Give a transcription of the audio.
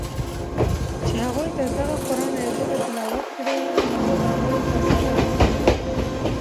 چی هغوی ته ددغه قرآن آیتونه تلاوت کړی تر څو د هغوی تزکیه وکړی